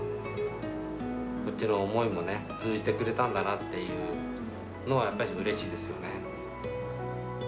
こっちの思いも通じてくれたんだなっていう、やっぱりうれしいですよね。